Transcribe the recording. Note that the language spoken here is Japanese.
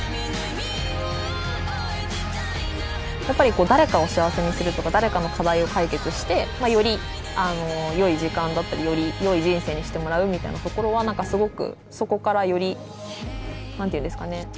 やっぱり誰かを幸せにするとか誰かの課題を解決してよりよい時間だったりよりよい人生にしてもらうみたいなところは何かすごくそこからより何て言うんですかね